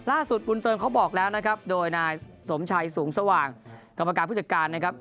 บุญเติมเขาบอกแล้วนะครับโดยนายสมชัยสูงสว่างกรรมการผู้จัดการนะครับ